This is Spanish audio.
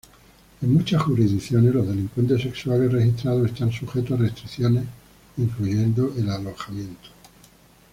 En muchas jurisdicciones los delincuentes sexuales registrados están sujetos a restricciones incluyendo el alojamiento.